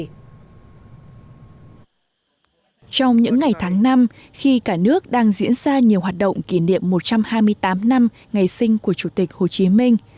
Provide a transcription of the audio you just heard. trong những ngày tháng năm khi cả nước đang diễn ra nhiều hoạt động kỷ niệm một trăm hai mươi tám năm ngày sinh của chủ tịch hồ chí minh